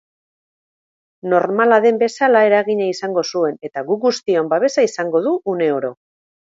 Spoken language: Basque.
Normala den bezala eragina izango zuen eta gu guztion babesa izango du uneoro.